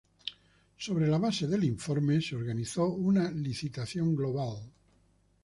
Sobre la base del informe, se organizó una licitación global.